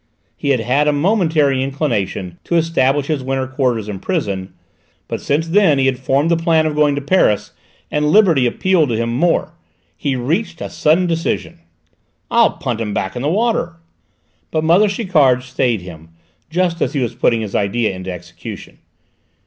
He had had a momentary inclination to establish his winter quarters in prison, but since then he had formed the plan of going to Paris, and liberty appealed to him more. He reached a sudden decision. "I'll punt him back into the water!" But mother Chiquard stayed him, just as he was putting his idea into execution.